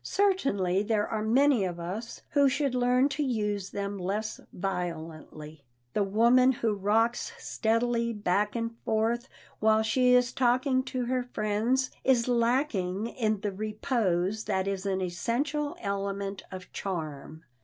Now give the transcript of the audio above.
Certainly there are many of us who should learn to use them less violently. The woman who rocks steadily back and forth while she is talking to her friends is lacking in the repose that is an essential element of charm.